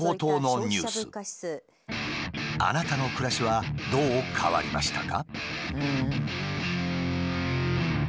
あなたの暮らしはどう変わりましたか？